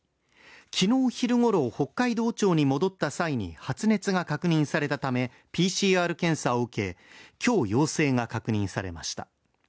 昨日昼ごろ、北海道庁に戻った際に発熱が確認されたためＰＣＲ検査を受け今日、陽性が確認されました。